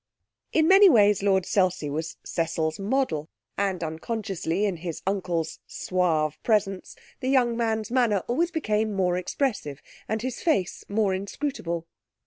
In many ways Lord Selsey was Cecil's model; and unconsciously, in his uncle's suave presence, the young man's manner always became more expressive and his face more inscrutable.